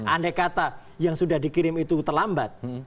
andai kata yang sudah dikirim itu terlambat